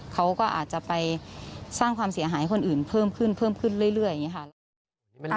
เขาก็อาจจะไปสร้างความเสียหายให้คนอื่นเพิ่มขึ้นเพิ่มขึ้นเรื่อยอย่างนี้ค่ะ